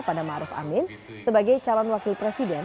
pada maruf amin sebagai calon wakil presiden